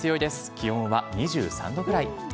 気温は２３度くらい。